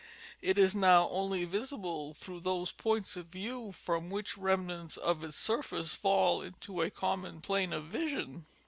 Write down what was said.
It is now only visible from those points of view from which remnants of its surface fall into a common plane of vision.